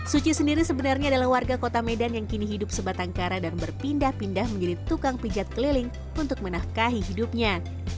suci sendiri sebenarnya adalah warga kota medan yang kini hidup sebatang kara dan berpindah pindah menjadi tukang pijat keliling untuk menafkahi hidupnya